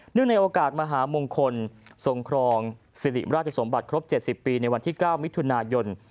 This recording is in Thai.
ในโอกาสมหามงคลทรงครองสิริราชสมบัติครบ๗๐ปีในวันที่๙มิถุนายน